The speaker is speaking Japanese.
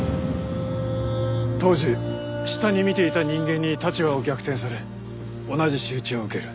当時下に見ていた人間に立場を逆転され同じ仕打ちを受ける。